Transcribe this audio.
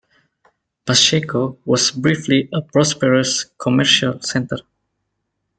Pacheco was briefly a prosperous commercial center.